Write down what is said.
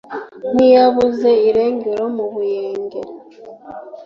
Nk’iyabuze irengero mu Buyenge